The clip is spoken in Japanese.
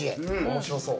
面白そう！